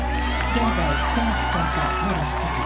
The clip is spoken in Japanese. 現在９月１０日夜７時。